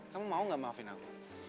kamu mau gak maafin aku